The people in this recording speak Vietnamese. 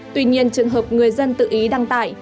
tuy nhiên trường hợp người dân tự ý đăng tải